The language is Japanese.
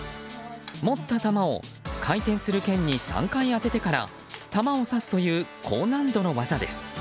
持った玉を回転するけんに３回当ててから玉を刺すという高難度の技です。